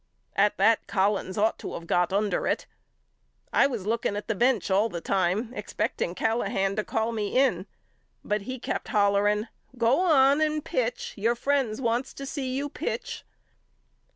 At that Collins ought to of got under it. I was looking at the bench all the time expect ing Callahan to call me in but he kept hollering Go on and pitch. Your friends wants to see you pitch.